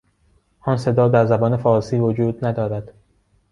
آن صدا در زبان فارسی وجود ندارد.